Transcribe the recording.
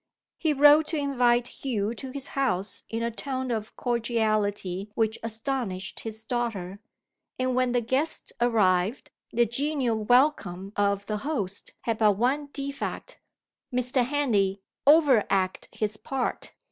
He wrote to invite Hugh to his house in a tone of cordiality which astonished his daughter; and when the guest arrived, the genial welcome of the host had but one defect Mr. Henley overacted his part.